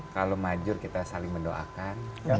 kalau maju kita saling mendoakan